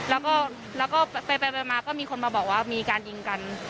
แล้วก็ไปมาก็มีคนมาบอกว่ามีการยิงกัน